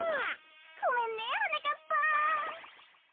ごめんねはなかっぱん。